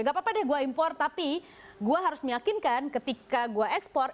tidak apa apa deh saya impor tapi saya harus meyakinkan ketika saya ekspor